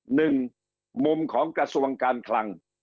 หนึ่งมุมของกระทรวงการคลัง